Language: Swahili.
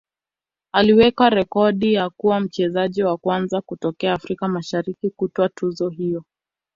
aliweka rekodi ya kuwa mchezaji wa kwanza kutokea Afrika Mashariki kutwaa tuzo hiyo